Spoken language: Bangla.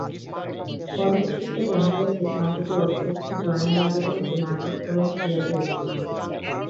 কলেজ সূত্রে জানা গেছে, সম্প্রতি অধ্যক্ষ জয়নাল আবেদিনকে মারপিট করেন সিরাজুল ইসলাম।